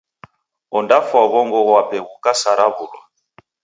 Ondafwa tu w'ongo ghwape ghukasaraw'ulwa.